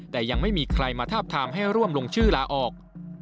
แต่ยังไม่มีใครมาทาบทามให้ร่วมลงชื่อลาออก